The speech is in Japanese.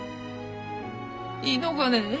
いいのかねえ？